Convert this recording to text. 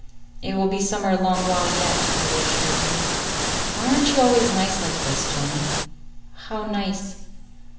"It will be summer a long while yet," I reassured her. "Why are n't you always nice like this, Tony?" "How nice?"